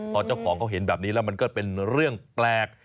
พอเจ้าของเขาเห็นแบบนี้แล้วมันก็เป็นเรื่องแปลก